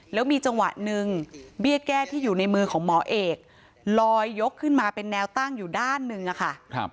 แล้วมีจังหวะหนึ่งเบี้ยแก้ที่อยู่ในมือของหมอเอกลอยยกขึ้นมาเป็นแนวตั้งอยู่ด้านหนึ่งอะค่ะ